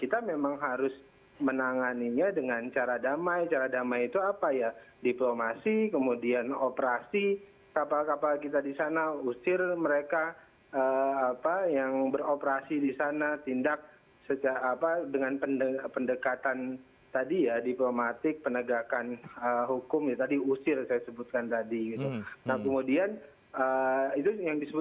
terima kasih pak prabowo